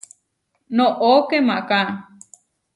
¡Noʼó kemaká!